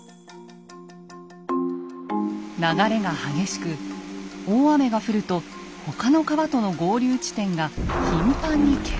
流れが激しく大雨が降ると他の川との合流地点が頻繁に決壊。